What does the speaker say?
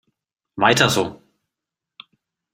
Weiter so!